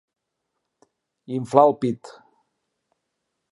Inflar el pit.